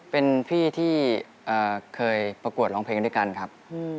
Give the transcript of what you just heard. เป็นพี่ที่เคยประกวดร้องเพลงด้วยกันครับ